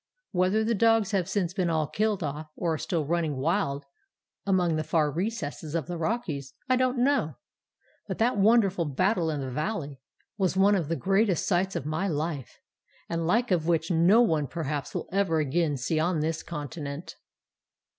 Whether the dogs have since been all killed off or are still running wild among the far recesses of the Rockies, I don't know; but that wonderful battle in the valley was one of the greatest sights of my life, the like of which no one perhaps will ever again see on this continent."